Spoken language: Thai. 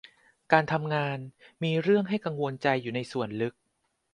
การทำงานมีเรื่องให้กังวลอยู่ในส่วนลึก